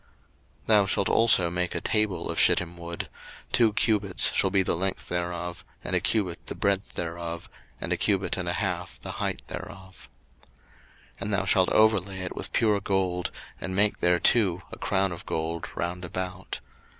02:025:023 Thou shalt also make a table of shittim wood: two cubits shall be the length thereof, and a cubit the breadth thereof, and a cubit and a half the height thereof. 02:025:024 And thou shalt overlay it with pure gold, and make thereto a crown of gold round about.